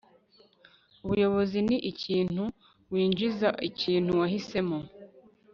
ubuyobozi ni ikintu winjiza, ikintu wahisemo